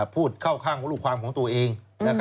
พูดเข้าข้างลูกความของตัวเอง